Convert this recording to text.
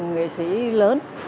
nghệ sĩ lớn